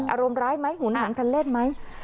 อารมณ์ร้ายไหมหุนหันคันเล่นไหม